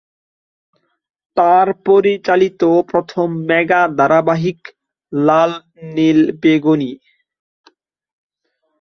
তার পরিচালিত প্রথম মেগা ধারাবাহিক "লাল নীল বেগুনি"।